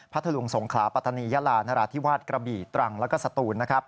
ทะลุงสงขลาปัตตานียาลานราธิวาสกระบี่ตรังแล้วก็สตูน